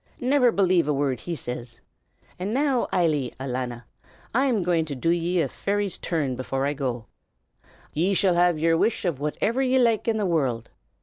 Never believe a word he says! And now, Eily, alanna, I'm going to do ye a fairy's turn before I go. Ye shall have yer wish of whatever ye like in the world.